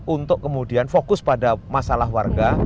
untuk kemudian fokus pada masalah warga